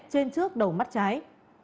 trên trước đầu mắt trái